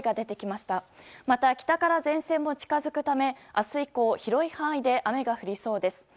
また北から前線も近づくため明日以降、広い範囲で雨が降りそうです。